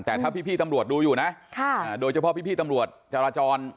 แต่ถ้าพี่ตำรวจดูอยู่นะโดยเฉพาะพี่ตำรวจจราจร